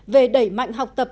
về đẩy mạnh học tập